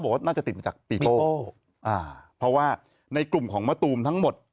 ว่าน่าจะติดมาจากปีโก้อ่าเพราะว่าในกลุ่มของมะตูมทั้งหมด